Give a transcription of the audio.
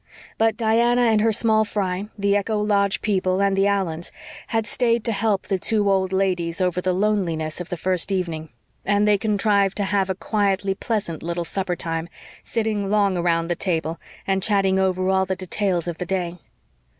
But Diana and her small fry, the Echo Lodge people and the Allans, had stayed to help the two old ladies over the loneliness of the first evening; and they contrived to have a quietly pleasant little supper time, sitting long around the table and chatting over all the details of the day.